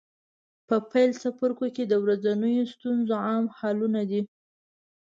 په پیل څپرکو کې د ورځنیو ستونزو عام حلونه دي.